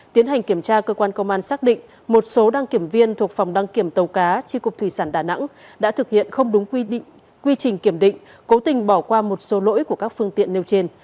tiến hành kiểm tra cơ quan công an xác định một số đăng kiểm viên thuộc phòng đăng kiểm tàu cá tri cục thủy sản đà nẵng đã thực hiện không đúng quy trình kiểm định cố tình bỏ qua một số lỗi của các phương tiện nêu trên